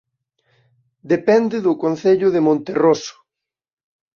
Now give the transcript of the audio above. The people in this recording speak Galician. Depende do Concello de Monterroso